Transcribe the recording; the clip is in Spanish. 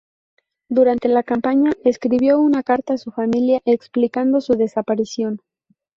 Durante la campaña, escribió una carta a su familia explicando su desaparición.